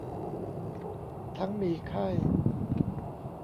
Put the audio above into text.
ทั้งมีไข้